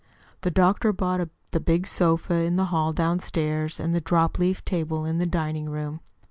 "The doctor bought the big sofa in the hall downstairs, and the dropleaf table in the dining room."